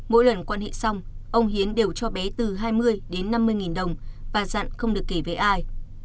mỗi lần quan hệ xong ông hiến đều cho bé từ hai mươi đến năm mươi nghìn đồng và dặn không được kể về ai